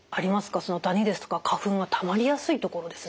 ダニですとか花粉がたまりやすい所ですね。